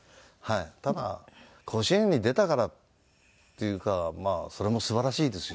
ただ甲子園に出たからっていうかまあそれも素晴らしいですよ。